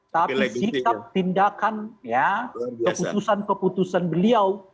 tapi sikap tindakan ya keputusan keputusan beliau